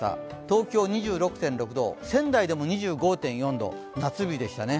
東京２６．６度、仙台でも２５．４度、夏日でしたね。